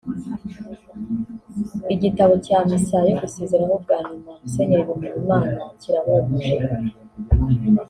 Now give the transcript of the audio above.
Igitambo cya misa yo gusezeraho bwa nyuma Musenyeri Bimenyimana kirahumuje…